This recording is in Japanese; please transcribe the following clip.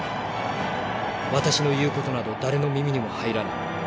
私の言う事など誰の耳にも入らない。